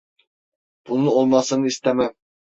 Bunun olmasını istemem.